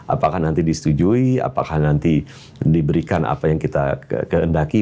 apakah nanti disetujui apakah nanti diberikan apa yang kita kehendaki